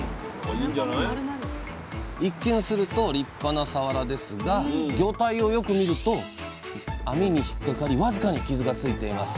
一見すると立派なさわらですが魚体をよく見ると網に引っ掛かり僅かに傷がついています。